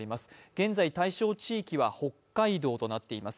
現在、対象地域は北海道となっています。